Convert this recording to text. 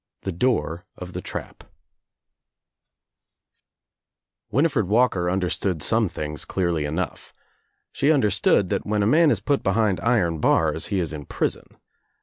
THE DOOR OF THE TRAP ■yyiNIFRED WALKER understood some things clearly enough. She understood that when a man !s put behind iron bars he is in prison.